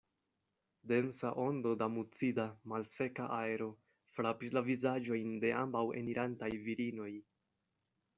Densa ondo da mucida, malseka aero frapis la vizaĝojn de ambaŭ enirantaj virinoj.